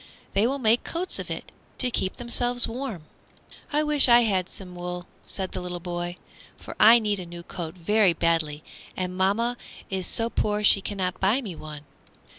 "They will make coats of it, to keep themselves warm." "I wish I had some wool," said the boy, "for I need a new coat very badly, and mamma is so poor she cannot buy me one."